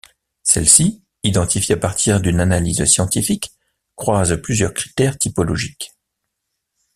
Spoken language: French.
Celle-ci, identifiée à partir d’une analyse scientifique, croise plusieurs critères typologiques.